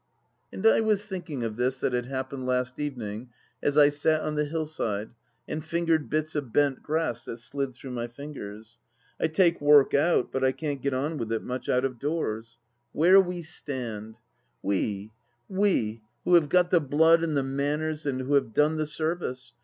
And I was thinking of this that had happened last evening as I sat on the hill side and fingered bits of bent grass that slid through my fingers. I take work out, biit I can't gel on with it much out of doors. Where we stand ! We — ^We, who have got the blood and the manners and who have done the service.